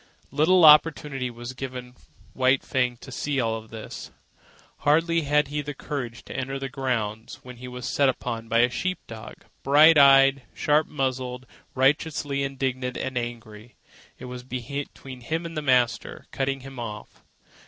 Little opportunity was given White Fang to see all this. Hardly had the carriage entered the grounds, when he was set upon by a sheep dog, bright eyed, sharp muzzled, righteously indignant and angry. It was between him and the master, cutting him off.